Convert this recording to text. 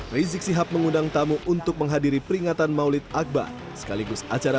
rizik sihab mengundang tamu untuk menghadiri peringatan maulid akbar sekaligus acara